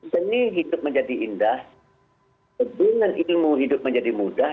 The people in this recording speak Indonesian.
seni hidup menjadi indah dengan ilmu hidup menjadi mudah